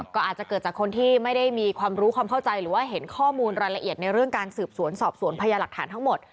ก็อาจจะเกิดจากคนที่ไม่ได้มีความรู้ความเข้าใจหรือว่าเห็นข้อมูลรายละเอียดในเรื่องการสืบสวนสอบสวนพยาหลักฐานทั้งหมด